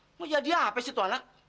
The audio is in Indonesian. nggak jadi apa sih tuh anak